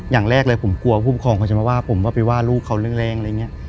อย่างแรกเลยผมกลัวผู้ปกครองเขาจะมาว่าผมว่าไปว่าลูกเขาแรงอะไรอย่างนี้